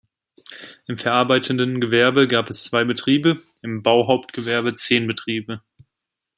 Im verarbeitenden Gewerbe gab es zwei Betriebe, im Bauhauptgewerbe zehn Betriebe.